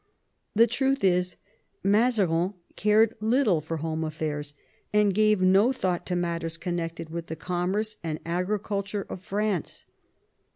The truth is, Mazarin cared little for home aflfairs, and gave no thought to matters con nected with the commerce and agriculture of France.